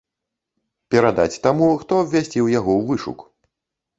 Перадаць таму, хто абвясціў яго ў вышук.